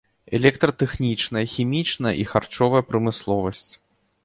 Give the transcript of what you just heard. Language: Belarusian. Электратэхнічная, хімічная і харчовая прамысловасць.